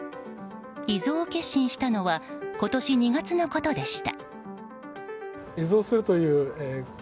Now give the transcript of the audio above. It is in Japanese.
遺贈を決心したのは今年２月のことでした。